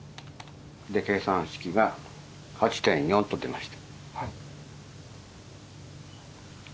計算式が８．４と出ました。